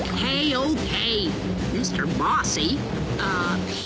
ＯＫ